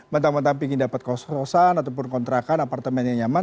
mentang mentang ingin dapat kos kosan ataupun kontrakan apartemen yang nyaman